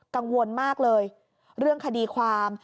กังวลมากเลยเรื่องคดีความ